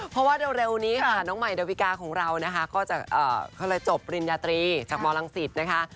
เพราะว่าเร็วนี้ค่ะน้องใหม่ดาวิกาของเรานะคะก็จะเขาเลยจบปริญญาตรีจากมลังศิษย์นะคะ